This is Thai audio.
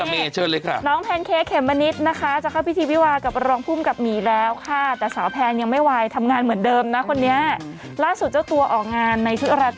แม่เค้าว่าหนูว่าเป็นแฟนคลับน้องนะ